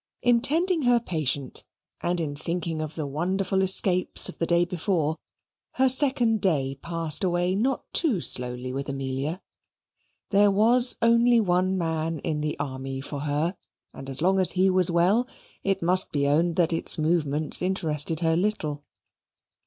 In tending her patient, and in thinking of the wonderful escapes of the day before, her second day passed away not too slowly with Amelia. There was only one man in the army for her: and as long as he was well, it must be owned that its movements interested her little.